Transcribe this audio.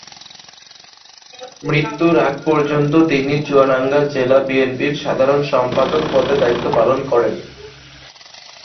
মৃত্যুর আগ পর্যন্ত তিনি চুয়াডাঙ্গা জেলা বিএনপির সাধারণ সম্পাদক পদে দায়িত্ব পালন করেন।